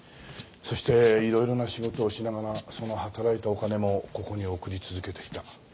そしていろいろな仕事をしながらその働いたお金もここに送り続けていた。